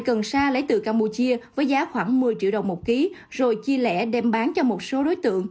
hai cần sa lấy từ campuchia với giá khoảng một mươi triệu đồng một kg rồi chi lẻ đem bán cho một số đối tượng